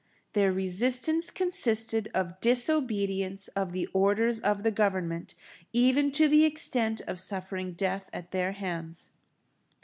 Their resistance consisted of disobedience of the orders of the Government, even to the extent of suffering death at their hands.